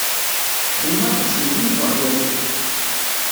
Bnaqes, yugi Yuba ad aɣ-yalel.